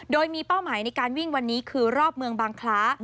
โดยมีเป้าหมายในการวิ่งวันนี้คือรอบเมืองบางคล้า